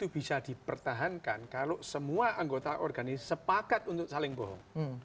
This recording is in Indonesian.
itu bisa dipertahankan kalau semua anggota organisasi sepakat untuk saling bohong